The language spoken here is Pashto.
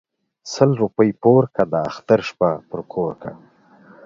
ـ سل روپۍ پوره كه داختر شپه په كور كه.